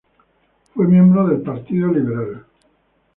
Fue miembro del Partido Liberal.